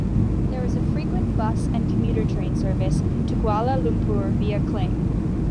There is a frequent bus and commuter train service to Kuala Lumpur via Klang.